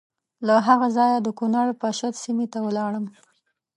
له هغه ځایه د کنړ پَشَت سیمې ته ولاړم.